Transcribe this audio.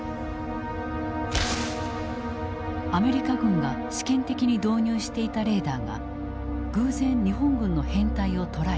アメリカ軍が試験的に導入していたレーダーが偶然日本軍の編隊を捉えた。